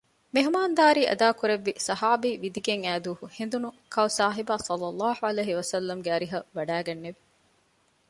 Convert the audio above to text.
މެހުމާންދާރީ އަދާކުރެއްވި ޞަޙާބީ ވިދިގެން އައިދުވަހު ހެނދުނު ކައުސާހިބާ ޞައްލަﷲ ޢަލައިހި ވަސައްލަމަގެ އަރިހަށް ވަޑައިގެންނެވި